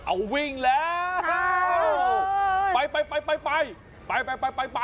เอาวิ่งแล้วไปไป